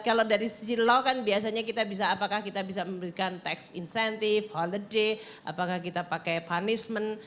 kalau dari sisi low kan biasanya kita bisa apakah kita bisa memberikan tax incentive holiday apakah kita pakai punishment